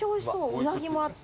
うなぎもあって。